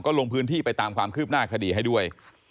ลงพื้นที่ไปตามความคืบหน้าคดีให้ด้วย